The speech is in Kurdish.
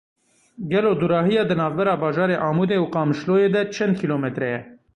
Gelo dûrahiya di navbera bajarê Amûdê û Qamişloyê de çend kîlometre ye?